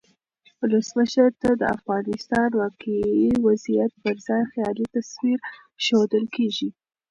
ولسمشر ته د افغانستان واقعي وضعیت پرځای خیالي تصویر ښودل کیږي.